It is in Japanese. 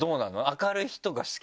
明るい人が好き？